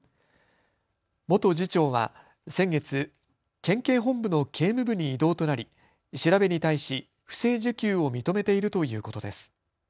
元次長は先月、県警本部の警務部に異動となり調べに対し不正受給を認めているということです。